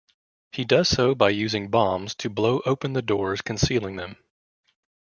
He does so by using bombs to blow open the doors concealing them.